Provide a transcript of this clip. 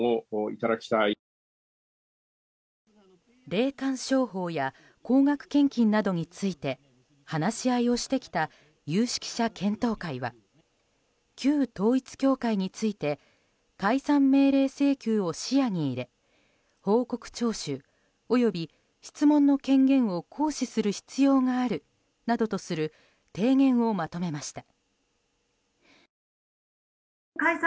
霊感商法や高額献金などについて話し合いをしてきた有識者検討会は旧統一教会について解散命令請求を視野に入れ報告聴取及び質問の権限を行使する必要があるなどとする提言をまとめました。